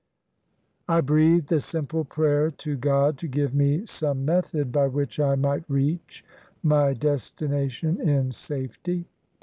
I breathed a simple prayer to God to give me some method by which I might reach my destination in safety.